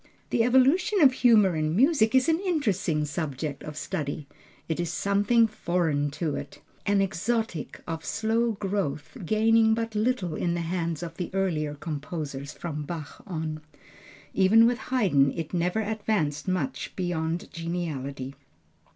The evolution of humor in music is an interesting subject of study. It is something foreign to it, an exotic, of slow growth, gaining but little in the hands of the earlier composers from Bach on. Even with Haydn it never advanced much beyond geniality.